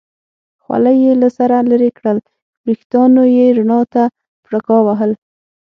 خولۍ یې له سره لرې کړل، وریښتانو یې رڼا ته پړکا وهل.